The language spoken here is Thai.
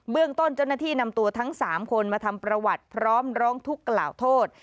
เรื่องต้นเจ้าหน้าที่นำตัวทั้ง๓คนมาทำประวัติพร้อมร้องทุกข์กล่าวโทษ